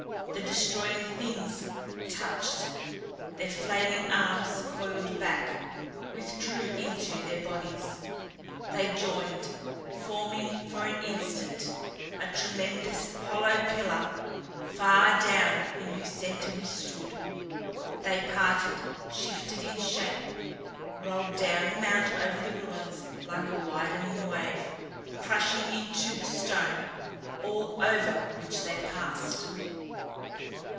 The Destroying Things touched. Their flailing arms coiled back, withdrew into their bodies. They joined, forming for an instant a tremendous hollow pillar far down in whose center we stood. They parted; shifted in shape? rolled down the mount over the ruins like a widening wave crushing into the stone all over which they passed.